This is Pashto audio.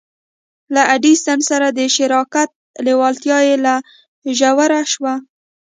له ايډېسن سره د شراکت لېوالتیا يې لا ژوره شوه.